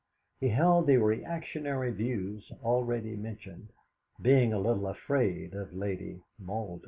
He held the reactionary views already mentioned, being a little afraid of Lady Malden.